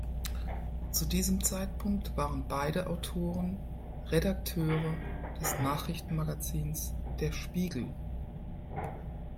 Zu diesem Zeitpunkt waren beide Autoren Redakteure des Nachrichtenmagazins "Der Spiegel".